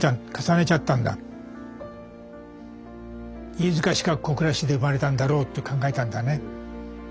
飯塚市か小倉市で生まれたんだろうと考えたんだね。